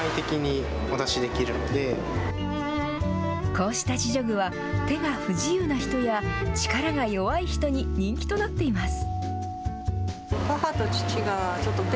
こうした自助具は手が不自由な人や、力が弱い人に人気となっています。